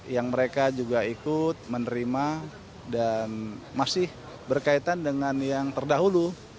yang mereka juga ikut menerima dan masih berkaitan dengan yang terdahulu